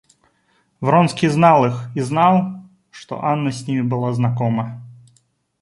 Вронский знал их и знал, что Анна с ними была знакома.